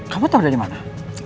kamu tau dari mana